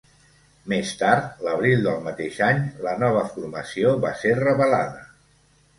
Més tard l'abril del mateix any, la nova formació va ser revelada.